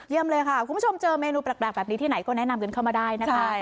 เยี่ยมเลยค่ะคุณผู้ชมเจอเมนูแบบนี้ที่ไหนก็แนะนำกันเข้ามาได้